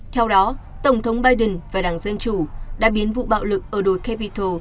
theo đó tổng thống biden và đảng dân chủ đã biến vụ bạo lực ở đồi capital